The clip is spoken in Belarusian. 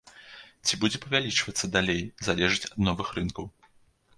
Ці будзе павялічвацца далей, залежыць ад новых рынкаў.